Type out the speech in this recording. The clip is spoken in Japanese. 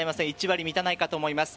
１割満たないかと思います。